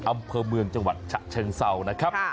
อำเภอเมืองจังหวัดฉะเชิงเศร้านะครับ